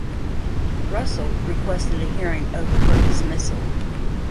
Russell requested a hearing over her dismissal.